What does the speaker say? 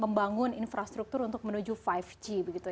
membangun infrastruktur untuk menuju lima g begitu